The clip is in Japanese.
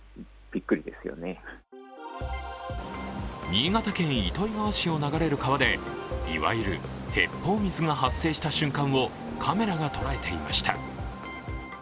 新潟県糸魚川市を流れる川でいわゆる鉄砲水が発生した瞬間をカメラが捉えていました。